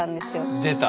出た。